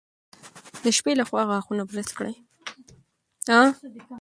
د شپې لخوا غاښونه برس کړئ.